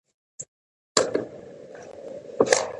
اداره د خلکو د باور ساتلو ته پام کوي.